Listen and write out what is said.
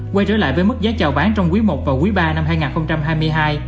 quay trở lại với mức giá trào bán trong quý i và quý ba năm hai nghìn hai mươi hai